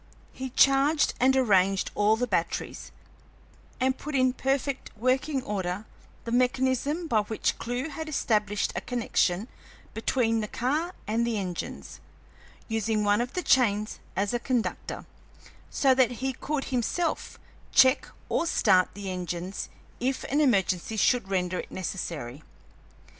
He charged and arranged all the batteries and put in perfect working order the mechanism by which Clewe had established a connection between the car and the engines, using one of the chains as a conductor, so that he could himself check or start the engines if an emergency should render it necessary.